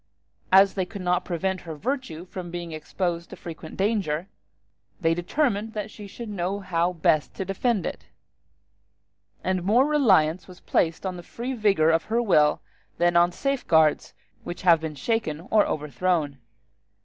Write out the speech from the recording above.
As they could not prevent her virtue from being exposed to frequent danger, they determined that she should know how best to defend it; and more reliance was placed on the free vigor of her will than on safeguards which have been shaken or overthrown.